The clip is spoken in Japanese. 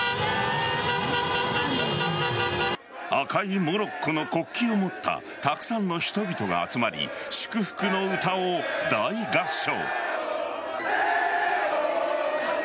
赤いモロッコの国旗を持ったたくさんの人々が集まり祝福の歌を大合唱。